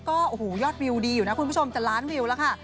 โอ้โหยอดวิวดีอยู่นะคุณผู้ชมจะล้านวิวแล้วค่ะ